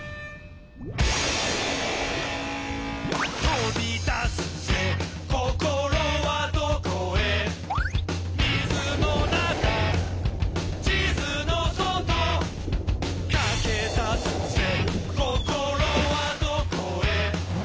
「飛び出すぜ心はどこへ」「水の中地図の外」「駆け出すぜ心はどこへ」